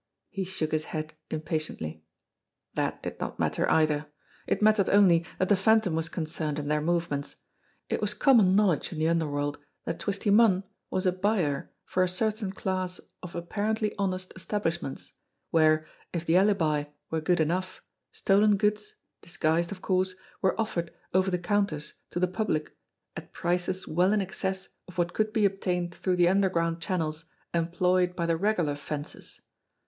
He shook his head impatiently. That did not matter either. It mattered only that the Phan tom was concerned in their movements. It was common knowledge in the underworld that Twisty Munn was a "buyer" for a certain class of apparently honest establish ments, where, if the alibi were good enough, stolen goods, disguised of course, were offered over the counters to the public at prices well in excess of what could be obtained through the underground channels employed by the regular "fences."